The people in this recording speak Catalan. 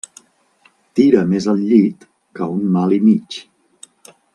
Tira més el llit que un mal i mig.